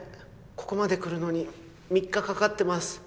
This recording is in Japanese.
ここまで来るのに３日かかってます。